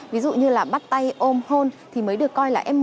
ví dụ như là bắt tay ôm hôn thì mới được coi là f một